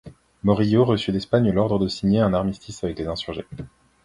Morillo reçut d'Espagne l'ordre de signer un armistice avec les insurgés.